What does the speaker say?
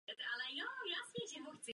Na mnoha místech jsou brody.